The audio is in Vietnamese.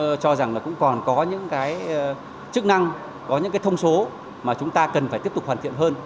chúng tôi cho rằng là cũng còn có những cái chức năng có những cái thông số mà chúng ta cần phải tiếp tục hoàn thiện hơn